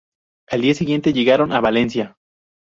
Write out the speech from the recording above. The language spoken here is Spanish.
Al día siguiente llegaron a Valencia.